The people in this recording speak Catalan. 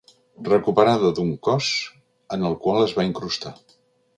Recuperada d'un cos en el qual es va incrustar.